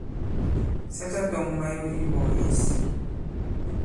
Sa tatɔ̄ŋ mayo i mbɔ̄k yěs.